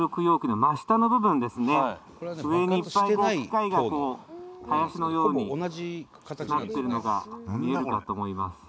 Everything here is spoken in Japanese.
上にいっぱい機械がたわしのようになっているのが見えるかと思います。